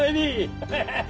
ハハハハ！